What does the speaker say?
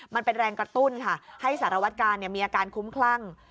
มันเป็นแรงกระตุ้นค่ะให้สารวัตกาลมีอาการคุ้มคลั่ง